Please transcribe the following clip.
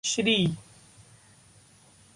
Shri